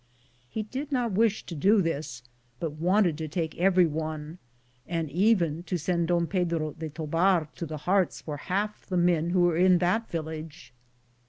He did not wish to do this, but wanted to take every one, and even to send Don Pedro de Tobar to the Hearts for half the men who were in that village.